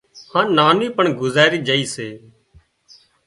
هانَ نانِي پڻ گذارِي جھئي سي